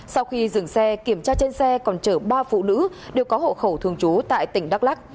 sau khi dừng xe kiểm tra trên xe còn chở ba phụ nữ đều có hộ khẩu thường trú tại tỉnh đắk lắc